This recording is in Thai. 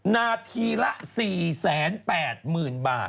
นาทีละ๔๘๐๐๐บาท